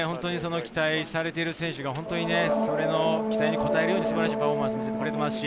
期待されている選手が期待に応えるように素晴らしいパフォーマンスを見せてくれました。